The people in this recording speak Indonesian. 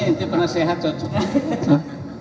ini ini ini penasehat cocok